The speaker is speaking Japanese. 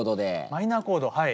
マイナーコードはい。